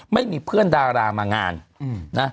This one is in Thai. ไม่มีเพื่อนดารามางานนะ